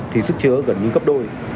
thì sức chứa gần như gấp đôi